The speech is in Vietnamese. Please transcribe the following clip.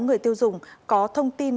người tiêu dùng có thông tin